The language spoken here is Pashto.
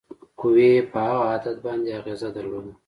قوې په هغه عدد باندې اغیزه درلوده.